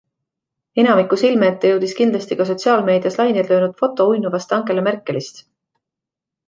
Enamiku silme ette jõudis kindlasti ka sotsiaalmeedias laineid löönud foto uinuvast Angela Merkelist.